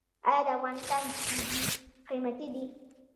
آیا د افغانستان تیږې قیمتي دي؟